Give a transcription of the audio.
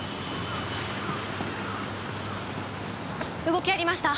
動きありました？